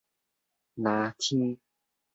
藍天